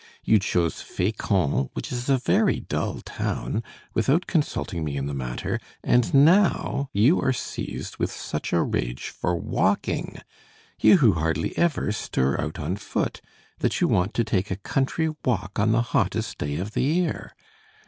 You chose Fécamp, which is a very dull town, without consulting me in the matter, and now you are seized with such a rage for walking, you who hardly ever stir out on foot, that you want to take a country walk on the hottest day of the year.